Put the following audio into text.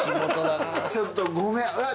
ちょっとごめん。